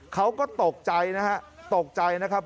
เขาก็ตกใจนะฮะตกใจนะครับ